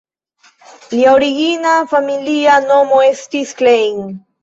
Lia origina familia nomo estis "Klein".